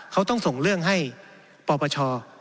เขาต้องส่งเรื่องให้ปปช